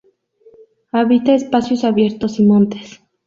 Habita espacios abiertos, y montes.